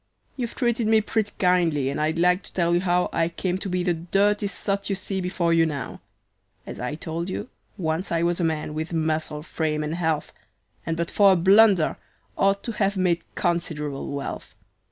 "You've treated me pretty kindly and I'd like to tell you how I came to be the dirty sot you see before you now. As I told you, once I was a man, with muscle, frame, and health, And but for a blunder ought to have made considerable wealth.